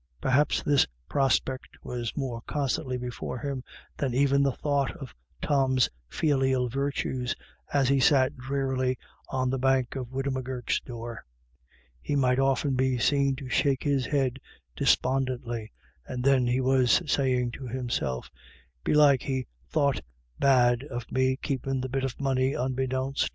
Perhaps this prospect was more constantly before him than even the thought of Tom's filial virtues, as he sat drearily on the bank by widow M'Gurk's door. He might often be seen to shake his head despondently, and then he was saying to himself :" Belike he thought bad of me keepin' the bit of money unbeknownst."